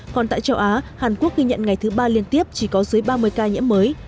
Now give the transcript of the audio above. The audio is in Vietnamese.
còn tại châu á hàn quốc ghi nhận ngày thứ ba liên tiếp chỉ có dưới ba mươi ca nhiễm mới